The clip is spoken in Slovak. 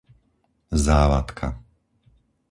Závadka